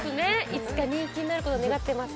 いつか人気になることを願ってます